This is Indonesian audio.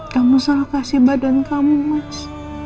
kamu salah kasih badan kamu mas